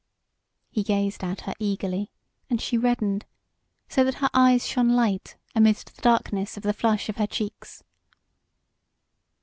He gazed at her eagerly, and she reddened, so that her eyes shone light amidst the darkness of the flush of her cheeks.